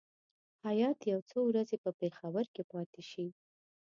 هیات یو څو ورځې په پېښور کې پاتې شي.